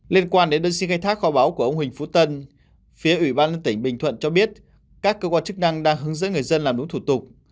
liên quan đến đơn xin khai thác kho báo của ông huỳnh phú tân phía ủy ban tỉnh bình thuận cho biết các cơ quan chức năng đang hướng dẫn người dân làm đúng thủ tục